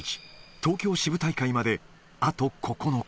東京支部大会まであと９日。